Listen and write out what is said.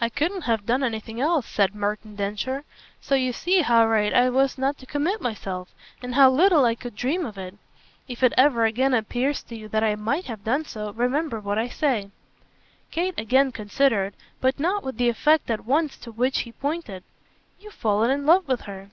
"I couldn't have done anything else," said Merton Densher. "So you see how right I was not to commit myself, and how little I could dream of it. If it ever again appears to you that I MIGHT have done so, remember what I say." Kate again considered, but not with the effect at once to which he pointed. "You've fallen in love with her."